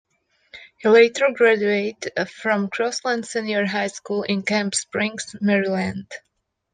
He later graduated from Crossland Senior High School in Camp Springs, Maryland.